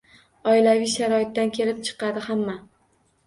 Oilaviy sharoitdan kelib chiqadi hamma.